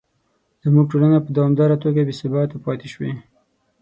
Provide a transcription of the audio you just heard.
زموږ ټولنه په دوامداره توګه بې ثباته پاتې شوې.